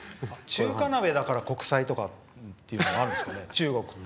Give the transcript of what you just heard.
中華鍋だから国際っていうのもあるんですかね。